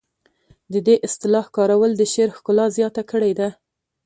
د دې اصطلاح کارول د شعر ښکلا زیاته کړې ده